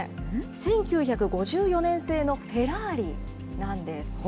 １９５４年製のフェラーリなんです。